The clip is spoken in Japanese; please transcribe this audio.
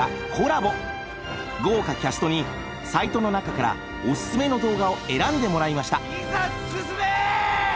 豪華キャストにサイトの中からおすすめの動画を選んでもらいました。